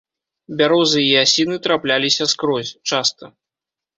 Бярозы і асіны трапляліся скрозь, часта.